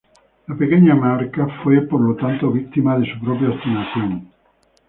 La pequeña marca fue, por lo tanto, víctima de su propia obstinación.